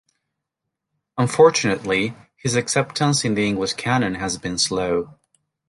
Unfortunately, his acceptance in the English canon has been slow.